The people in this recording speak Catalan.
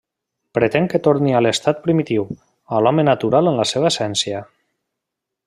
Pretén que torni a l'estat primitiu, a l'home natural en la seva essència.